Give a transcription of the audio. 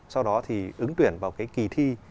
sau đó thì ứng tuyển vào cái kỳ thi